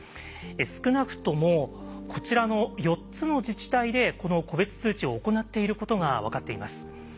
少なくともこちらの４つの自治体でこの個別通知を行っていることが分かっています。